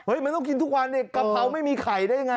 มันต้องกินทุกวันเนี่ยกะเพราไม่มีไข่ได้ยังไง